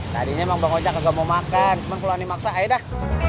tadinya emang bang ojek enggak mau makan cuman keluarin maksa ayo dah